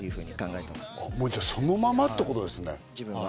もうそのままってことですね。